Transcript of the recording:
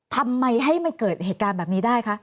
ทำไมให้มันเกิดเหตุการณ์แบบนี้ได้คะ